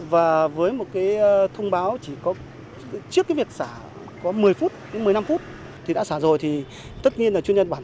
và với một cái thông báo chỉ có trước cái việc xả có một mươi phút đến một mươi năm phút thì đã xả rồi thì tất nhiên là chuyên nhân bản